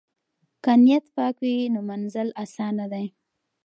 که نیت پاک وي نو منزل اسانه دی.